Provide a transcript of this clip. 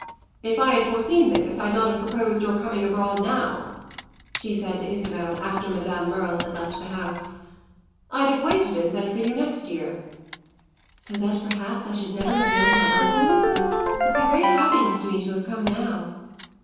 "If I had foreseen this I'd not have proposed your coming abroad now," she said to Isabel after Madame Merle had left the house. "I'd have waited and sent for you next year." "So that perhaps I should never have known my uncle? It's a great happiness to me to have come now."